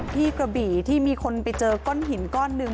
กระบี่ที่มีคนไปเจอก้อนหินก้อนหนึ่ง